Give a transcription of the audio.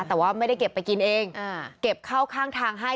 แต่ว่าไม่ได้เก็บไปกินเองเก็บเข้าข้างทางให้